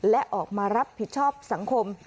และออกมารับผิดชอบสังคม